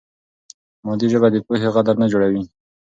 مادي ژبه د پوهې غدر نه جوړوي.